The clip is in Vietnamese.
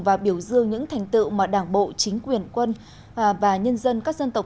và biểu dương những thành tựu mà đảng bộ chính quyền quân và nhân dân các dân tộc